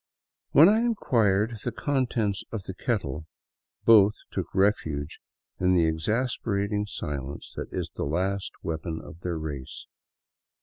When I inquired the contents of the kettle, both took refuge in the exasperating silence that is the last weapon of their race.